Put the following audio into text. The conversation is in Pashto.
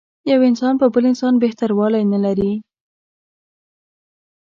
یو انسان په بل انسان بهتر والی نه لري.